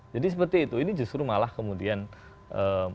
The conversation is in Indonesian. jadi seperti itu ini justru malah kemudian eh